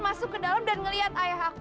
masuk ke dalam dan ngelihat ayah aku